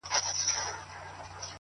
مور چي درخانۍ وي، لور به یې ښاپیرۍ وي -